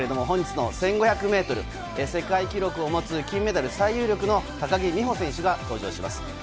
本日の１５００ｍ、世界記録を持つ金メダル最有力の高木美帆選手が登場します。